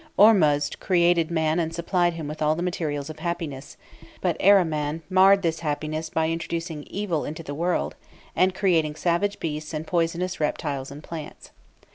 Ormuzd created man and supplied him with all the materials of happiness; but Ahriman marred this happiness by introducing evil into the world, and creating savage beasts and poisonous reptiles and plants.